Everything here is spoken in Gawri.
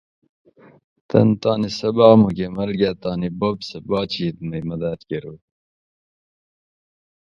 تن تانی سباۤق مکمل کاۤ تانی بوب سہ باچیئت مئ مداد کۤروُڛت